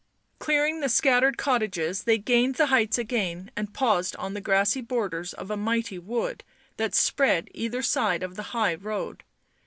Clearing the scattered cottages they gained the heights again and paused on the grassy borders of a mighty wood that spread either side of the high road.